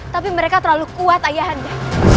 tapi mereka terlalu kuat ayah anda